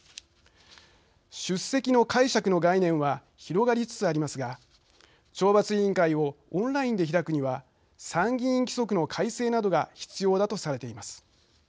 出席の解釈の概念は広がりつつありますが懲罰委員会をオンラインで開くには参議院規則の改正などが必要だとされています。